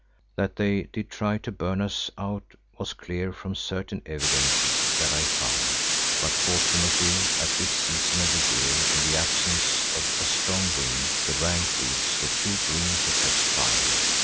That they did try to burn us out was clear from certain evidences that I found, but fortunately at this season of the year in the absence of a strong wind the rank reeds were too green to catch fire.